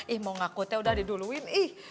ih mau ngakutnya udah diduluin ih